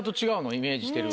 イメージしてる。